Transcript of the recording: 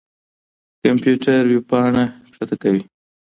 کمپيوټر وېبپاڼه کښته کوي.